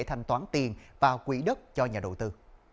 thành toán tiền và quỹ đất cho nhà đầu tư